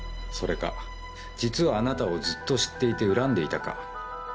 それか実はあなたをずっと知っていて恨んでいたか。